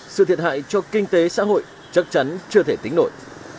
sự thiệt hại cho kinh tế xã hội chắc chắn chưa thể tính nội